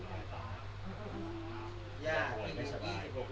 อันนี้คือเป็น